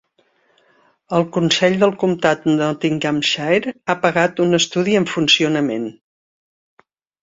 El Consell del Comtat de Nottinghamshire ha pagat un estudi en funcionament.